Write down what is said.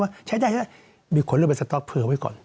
ว่าใช้ได้แล้วมีคนเริ่มไปสต๊อกเผื่อไว้ก่อน